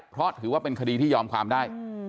เพราะถือว่าเป็นคดีที่ยอมความได้